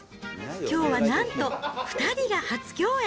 きょうはなんと２人が初共演。